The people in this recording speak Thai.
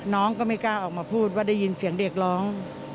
น้องก็ไม่กล้าออกมาพูดว่าได้ยินเสียงเด็กร้อง